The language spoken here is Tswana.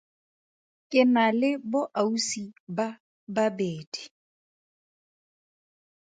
Ke na le boausi ba babedi.